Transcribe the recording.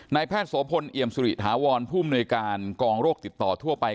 แพทย์โสพลเอี่ยมสุริถาวรผู้มนวยการกองโรคติดต่อทั่วไป